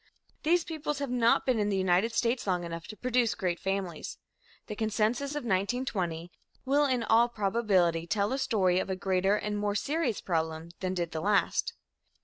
These peoples have not been in the United States long enough to produce great families. The census of 1920 will in all probability tell a story of a greater and more serious problem than did the last.